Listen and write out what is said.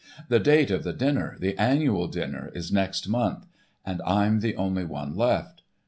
"The date of the dinner, the Annual Dinner, is next month, and I'm the only one left."